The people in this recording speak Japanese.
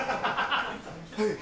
はい。